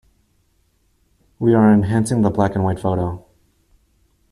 We are enhancing the black and white photo.